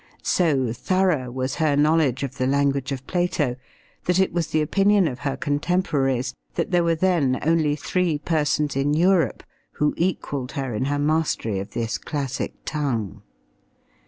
So thorough was her knowledge of the language of Plato that it was the opinion of her contemporaries that there were then only three persons in Europe who equaled her in her mastery of this classic tongue.